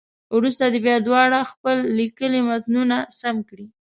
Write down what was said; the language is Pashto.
وروسته دې بیا دواړه خپل لیکلي متنونه سم کړي.